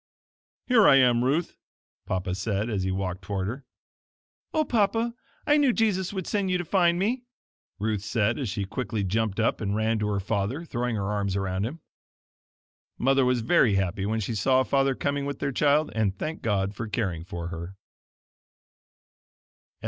"Here I am, Ruth," Papa said, as he walked toward her. "Oh, Papa, I knew Jesus would send you to find me!" Ruth said as she quickly jumped up and ran to her father, throwing her arms around him. Mother was very happy when she saw father coming with their child, and thanked God for caring for her.